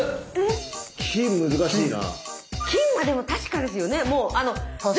金難しいな。